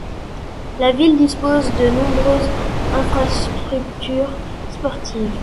La ville dispose de nombreuses infrastructures sportives.